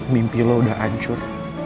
mimpi lo udah hancur